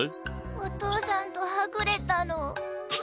おとうさんとはぐれたの。